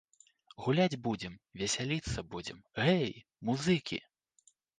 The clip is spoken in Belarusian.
Гуляць будзем, весяліцца будзем, гэй, музыкі.